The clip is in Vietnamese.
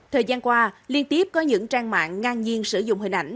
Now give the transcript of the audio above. thời gian qua liên tiếp có những trang mạng ngang nhiên sử dụng hình ảnh